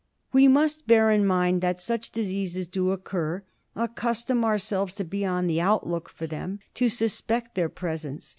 We must bear in mind that such diseases do occur; accustom ourselves to be on the outlook for them ; to suspect their presence.